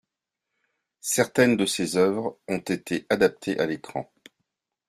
Certaines de ses œuvres ont été adaptées à l'écran.